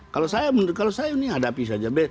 kalau saya menurut saya ini hadapi saja